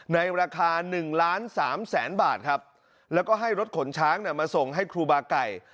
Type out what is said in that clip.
ในราคา๑ล้านสามแสนบาทครับแล้วก็ให้รถขนช้างมาส่งให้ครูบาไก่